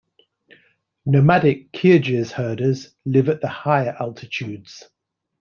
Nomadic Kyrgyz herders live at the higher altitudes.